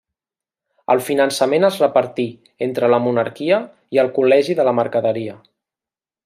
El finançament es repartí entre la monarquia i el Col·legi de la Mercaderia.